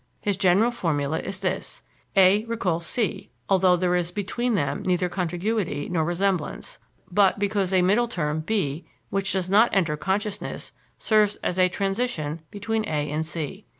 His general formula is this: A recalls C, although there is between them neither contiguity nor resemblance, but because a middle term, B, which does not enter consciousness, serves as a transition between A and C.